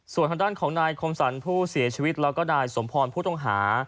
ส่วนทางด้านของนายคมสรรผู้เสียชีวิตแล้วก็นายสมพรผู้ต้องหา